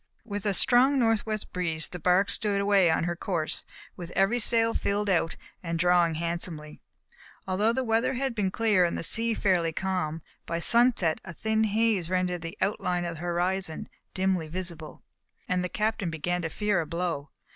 With a strong northwest breeze the bark stood away on her course, with every sail filled out and drawing handsomely. Although the weather had been clear and the sea fairly calm, by sunset a thin haze rendered the outline of the horizon dimly visible, and the Captain began to fear a blow.